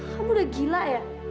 kamu udah gila ya